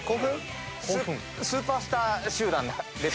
スーパースター集団だ。